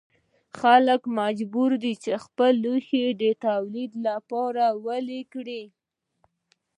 خلک مجبور وو خپل لوښي د تولید لپاره ویلې کړي.